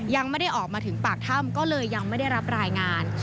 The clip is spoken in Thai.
ยังไม่ได้ออกมาถึงปากถ้ำก็เลยยังไม่ได้รับรายงาน